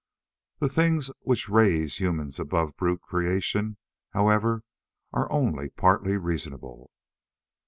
The things which raise humans above brute creation, however, are only partly reasonable.